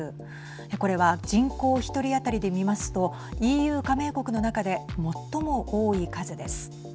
これは人口１人当たりで見ますとＥＵ加盟国の中で最も多い数です。